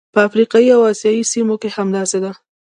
په افریقایي او اسیايي سیمو کې همداسې ده.